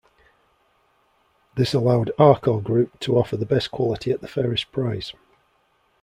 This allowed Arcor Group to offer the best quality at the fairest price.